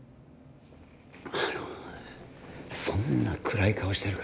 あのそんな暗い顔してるから